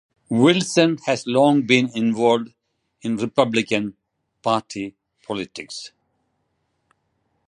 Wilson has long been involved in Republican Party politics.